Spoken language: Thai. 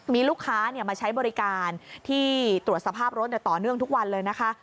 มีลูกค้ามาใช้บริการที่ตรวจสภาพรถต่อเนื่องทุกวันเลยนะคะ